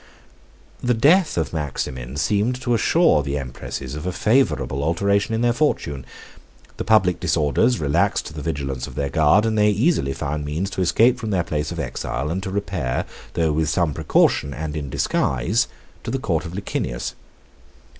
The death of Maximin seemed to assure the empresses of a favorable alteration in their fortune. The public disorders relaxed the vigilance of their guard, and they easily found means to escape from the place of their exile, and to repair, though with some precaution, and in disguise, to the court of Licinius.